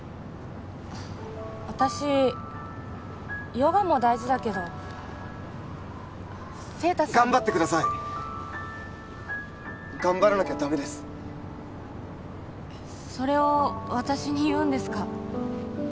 私ヨガも大事だけど晴太さん頑張ってください頑張らなきゃダメですそれを私に言うんですか？